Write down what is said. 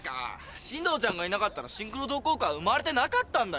進藤ちゃんがいなかったらシンクロ同好会は生まれてなかったんだよ。